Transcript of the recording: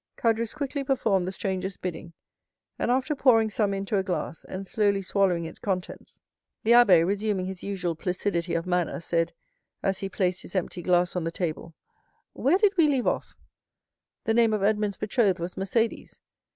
Caderousse quickly performed the stranger's bidding; and after pouring some into a glass, and slowly swallowing its contents, the abbé, resuming his usual placidity of manner, said, as he placed his empty glass on the table: "Where did we leave off?" "The name of Edmond's betrothed was Mercédès."